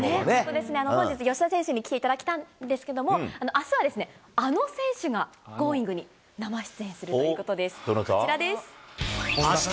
本日、吉田選手に来ていただいたんですけれども、あすはあの選手がＧｏｉｎｇ！に生出演するどなた？